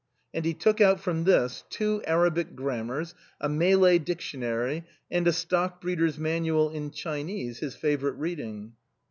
And he took out from this two xA^rabic grammars, a Malay dictionar}', and a Stock breeders' Manual in Chinese, his favorite reading.